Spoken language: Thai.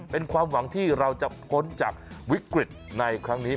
เป็นความหวังที่เราจะพ้นจากวิกฤตในครั้งนี้